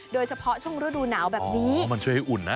โดยเฉพาะช่วงฤดูหนาวแบบนี้มันช่วยให้อุ่นนะ